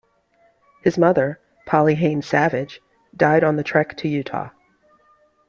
His mother, Polly Haynes Savage, died on the trek to Utah.